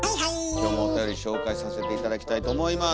今日もおたより紹介させて頂きたいと思います。